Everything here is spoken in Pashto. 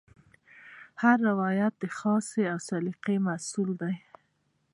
هر روایت خاصې سلیقې محصول دی.